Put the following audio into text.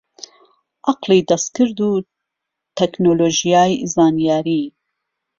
عەقڵی دەستکرد و تەکنۆلۆژیای زانیاری